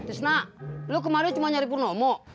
tisna lo kemarin cuma nyari purnomo